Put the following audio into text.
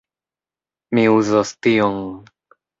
Mi uzos tion.